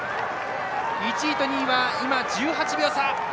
１位と２位は１８秒差。